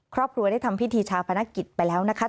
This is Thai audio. ครอบครัวได้ทำพิธีชาพนักกิจไปแล้วนะคะ